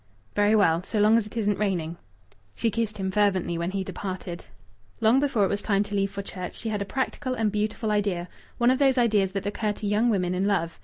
"Very well. So long as it isn't raining." She kissed him fervently when he departed. Long before it was time to leave for church she had a practical and beautiful idea one of those ideas that occur to young women in love.